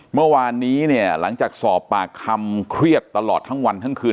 เมื่อวานนี้เนี่ยหลังจากสอบปากคำเครียดตลอดทั้งวันทั้งคืน